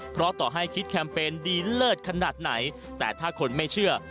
เพราะต่อให้คิดแคมเปญดีเลิศขนาดไหนแต่ถ้าคนไม่เชื่อ